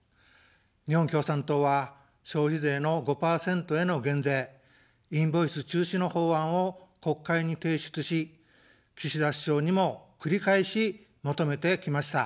日本共産党は消費税の５％への減税、インボイス中止の法案を国会に提出し、岸田首相にも繰り返し求めてきました。